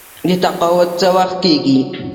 تقاعد څه وخت کیږي؟